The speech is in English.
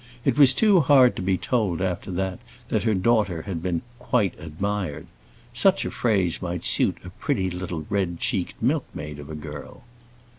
It was too hard to be told, after that, that her daughter had been "quite admired." Such a phrase might suit a pretty little red cheeked milkmaid of a girl.